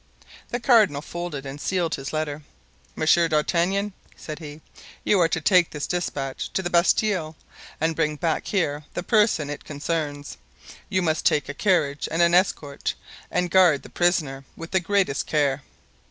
The cardinal folded and sealed his letter. "Monsieur d'Artagnan," he said, "you are to take this dispatch to the Bastile and bring back here the person it concerns. You must take a carriage and an escort, and guard the prisoner with the greatest care."